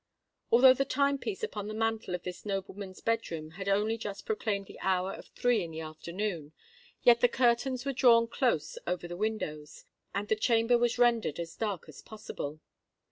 Although the time piece upon the mantel of this nobleman's bed room had only just proclaimed the hour of three in the afternoon, yet the curtains were drawn close over the windows, and the chamber was rendered as dark as possible.